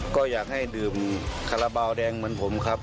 ก็อยากให้ดื่มคาราบาลแดงเหมือนผมครับ